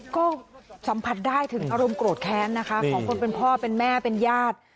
ก็สัมผัสได้ถึงอารมณ์โกรธแค้นนะคะของคนเป็นพ่อเป็นแม่เป็นญาติ